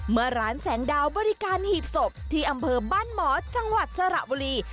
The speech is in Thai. เมื่อร้านแสงดาวบริการหีบศพที่อำเภอบ้านหมอจังหวัดสระบุรี